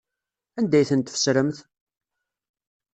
Anda ay tent-tfesremt?